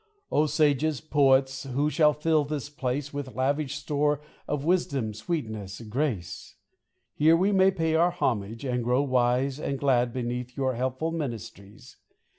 O sages, poets, who shall fill this place With lavish store of wisdom, sweetness, grace ! Here we may pay our homage and grow wise And glad beneath your helpful ministries.